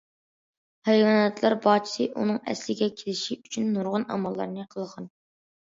ھايۋاناتلار باغچىسى ئۇنىڭ ئەسلىگە كېلىشى ئۈچۈن نۇرغۇن ئاماللارنى قىلغان.